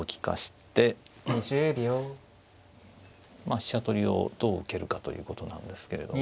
飛車取りをどう受けるかということなんですけれども。